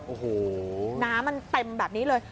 โอ้โหน้ำมันเต็มแบบนี้เลย